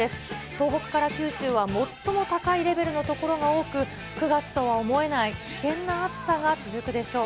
東北から九州は最も高いレベルの所が多く、９月とは思えない危険な暑さが続くでしょう。